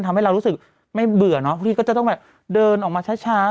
ทำให้เรารู้สึกไม่เบื่อเนอะพวกนี้ก็จะต้องแบบเดินออกมาช้าช้าอะไร